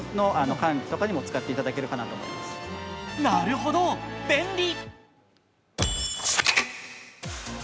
なるほど、便利。